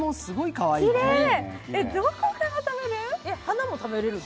きれい、どこから食べる？